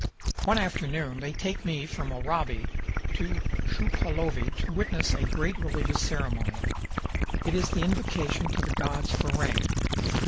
One afternoon they take me from Oraibi to Shupaulovi to witness a great religious ceremony. It is the invocation to the gods for rain.